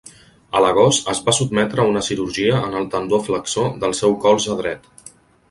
A l'agost, es va sotmetre a una cirurgia en el tendó flexor del seu colze dret.